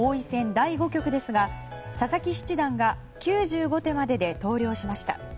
第５局ですが佐々木七段が９５手までで投了しました。